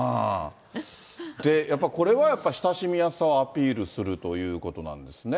やっぱりこれは、やっぱり親しみやすさをアピールするということなんですね。